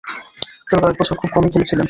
তবে, কয়েকবছর খুব কমই খেলেছিলেন।